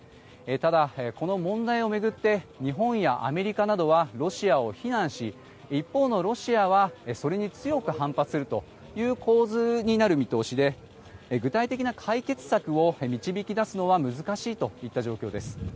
ただ、この問題を巡って日本やアメリカなどはロシアを非難し一方のロシアはそれに強く反発するという構図になる見通しで具体的な解決策を導き出すのは難しいといった状況です。